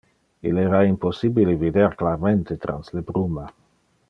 Il era impossibile vider clarmente trans le bruma.